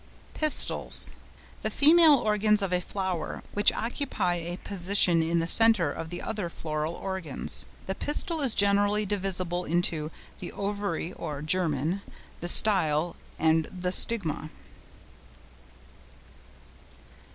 PISTILS.—The female organs of a flower, which occupy a position in the centre of the other floral organs. The pistil is generally divisible into the ovary or germen, the style and the stigma.